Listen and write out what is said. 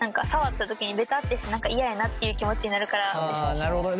ああなるほどね。